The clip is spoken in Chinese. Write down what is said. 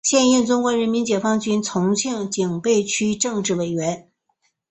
现任中国人民解放军重庆警备区政治委员。